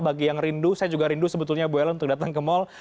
bagi yang rindu saya juga rindu sebetulnya bu ellen untuk datang ke mal